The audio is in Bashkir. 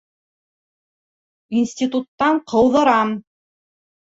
Институттан ҡыуҙырам!